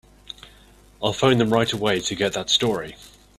I'll phone them right away to get that story.